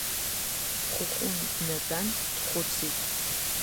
Хәыхәын днатәан дхәыцит…